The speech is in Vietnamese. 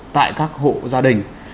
tại các hộ gia đình